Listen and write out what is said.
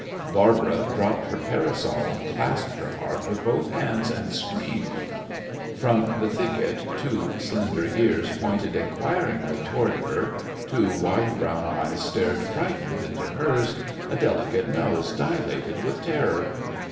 Barbara dropped her parasol, and clasped her heart with both hands, and screamed. From the thicket two slender ears pointed inquiringly toward her, two wide brown eyes stared frightened into hers, a delicate nose dilated with terror.